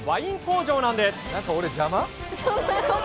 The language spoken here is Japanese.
なんか俺、邪魔？